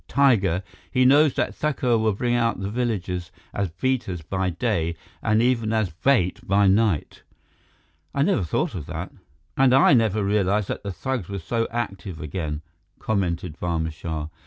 Tiger!' he knows that Thakur will bring out the villagers as beaters by day and even as bait by night." "I never thought of that." "And I never realized that the thugs were so active again," commented Barma Shah.